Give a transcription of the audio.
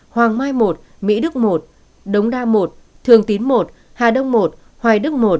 hoàng mai một mỹ đức một đống đa một thường tín một hà đông một hoài đức một